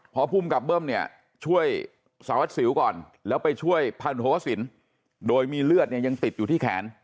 เพราะผู้มันกลับเบิ้มช่วยสารวัดสิวก่อนแล้วไปช่วยพันธวสินโดยมีเลือดยังติดอยู่ที่แขน